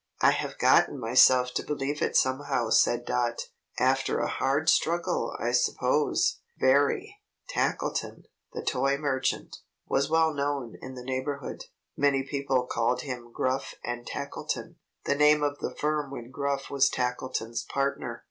"I have gotten myself to believe it somehow," said Dot. "After a hard struggle, I suppose?" "Very." Tackleton, the toy merchant, was well known in the neighborhood. Many people called him Gruff and Tackleton, the name of the firm when Gruff was Tackleton's partner.